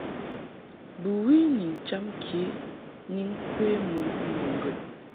Bɨwi ni ncham ke ni ŋkwe mɨ mbo ŋgəd.